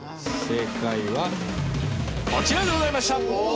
正解はこちらでございました！